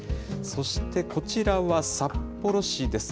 そして、こちらは札幌市です。